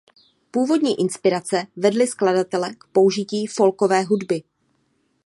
Původní inspirace vedly skladatele k použití folkové hudby.